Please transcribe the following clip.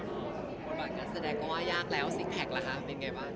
บทบาทการแสดงก็ว่ายากแล้วซิกแพคล่ะคะเป็นไงบ้าง